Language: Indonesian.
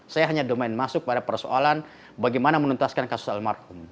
saya hanya domain masuk pada persoalan bagaimana menuntaskan kasus almarhum